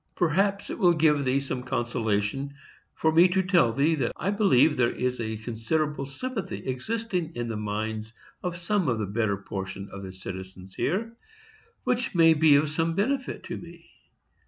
Perhaps it will give thee some consolation for me to tell thee that I believe there is a considerable sympathy existing in the minds of some of the better portion of the citizens here, which may be of some benefit to me.